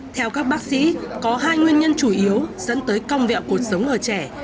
theo các bác sĩ có hai nguyên nhân chủ yếu dẫn tới cong vẹo cuộc sống ở trẻ